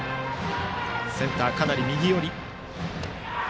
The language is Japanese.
センター、かなり右寄り。